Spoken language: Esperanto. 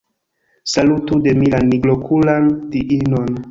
Salutu de mi la nigrokulan diinon.